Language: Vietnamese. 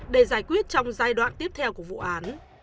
để giải quyết trong giai đoạn tiếp theo của vụ án